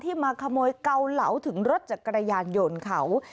มาขโมยเกาเหลาถึงรถจักรยานยนต์เขา